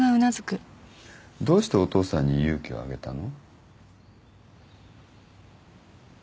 どうしてお父さんに勇気をあげたの？